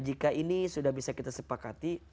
jika ini sudah bisa kita sepakati